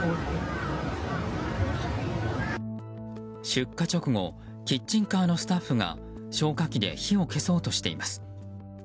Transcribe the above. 出火直後キッチンカーのスタッフが消火器で火を消そうとしています。